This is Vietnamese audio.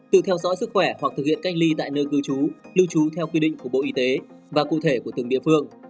tự theo dõi sức khỏe hoặc thực hiện cách ly tại nơi cư trú lưu trú theo quy định của bộ y tế và cụ thể của từng địa phương